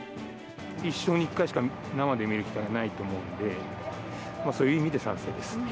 一生に一回しか生で見る機会がないと思うので、そういう意味で、賛成です。